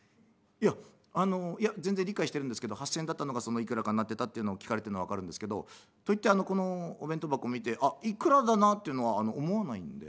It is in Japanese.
「いやあの全然理解してるんですけど８，０００円だったのがいくらかになってたっていうのを聞かれてんのは分かるんですけどといってこのお弁当箱見て『いくらだな』っていうのは思わないんで」。